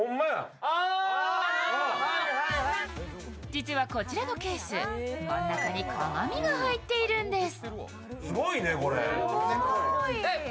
実はこちらのケース、真ん中に鏡が入っているんです。